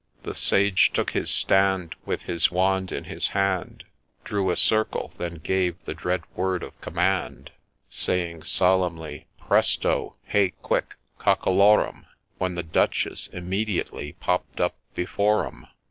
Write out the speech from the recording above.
The Sage took his stand With his wand in his hand, Drew a circle, then gave the dread word of command, Saying solemnly —' Presto !— Hey, quick I — Cock a lorum 1 1 ' When the Duchess immediately popp'd up before 'em.